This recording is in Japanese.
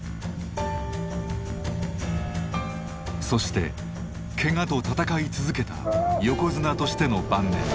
そしてケガと闘い続けた横綱としての晩年。